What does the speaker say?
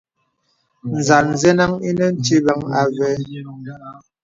Nzāl zənəŋ ìnə tibaŋ àvé.